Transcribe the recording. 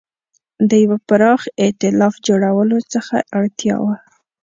د یوه پراخ اېتلاف جوړولو ته اړتیا وه.